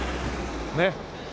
ねっ。